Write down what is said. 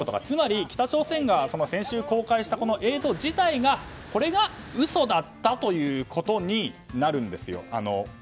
つまり北朝鮮が先週公開した映像自体が嘘だったということになるんですよ。